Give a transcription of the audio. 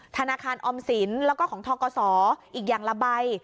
ธนาคารออมสินแล้วก็ของทกศอีกอย่างละใบ